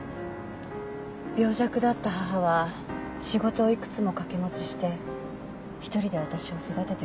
病弱だった母は仕事をいくつも掛け持ちして一人で私を育ててくれた。